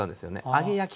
揚げ焼き。